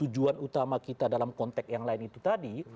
untuk menanggung sama kita dalam konteks yang lain itu tadi